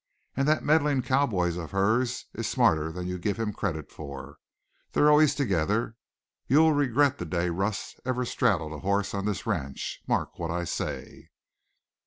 And that meddling cowboy of hers is smarter than you give him credit for. They're always together. You'll regret the day Russ ever straddled a horse on this ranch. Mark what I say."